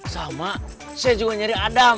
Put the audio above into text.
sama saya juga nyari adam